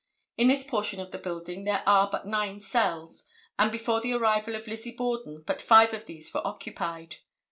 In this portion of the building there are but nine cells, and before the arrival of Lizzie Borden but five of these were occupied.